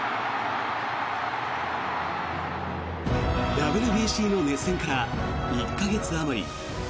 ＷＢＣの熱戦から１か月あまり。